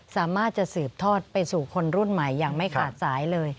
สามารถจะสืบทอดไปสู่คนรุ่นใหม่อย่างไม่ขาดสายเลย